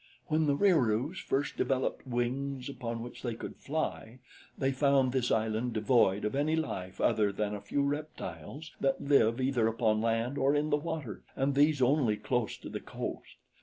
"When the Wieroos first developed wings upon which they could fly, they found this island devoid of any life other than a few reptiles that live either upon land or in the water and these only close to the coast.